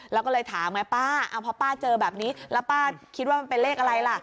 แล้วก็เลยถามไงป้าพอป้าเจอแบบนี้แล้วป้าคิดว่ามันเป็นเลขอะไรล่ะ